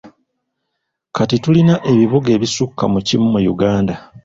Kati tulina ebibuga ebisukka mu kimu mu Uganda.